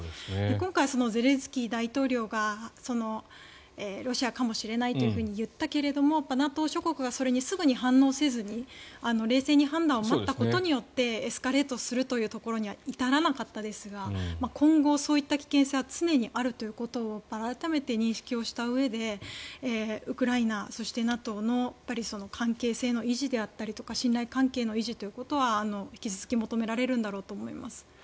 今回、ゼレンスキー大統領がロシアかもしれないというふうに言ったけれどもＮＡＴＯ諸国がそれにすぐに反応せずに冷静に判断を待ったことによってエスカレートするというところには至らなかったですが今後、そういった危険性は常にあるということを改めて認識をしたうえでウクライナ、そしてＮＡＴＯの関係性の維持であったり信頼関係の維持であったりということは引き続き求められるんだろうと思います。